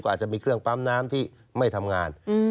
อาจจะมีเครื่องปั๊มน้ำที่ไม่ทำงาน